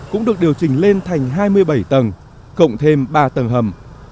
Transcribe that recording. cũng được điều chỉnh lên thành hai mươi bảy tầng cộng thêm ba tầng hầm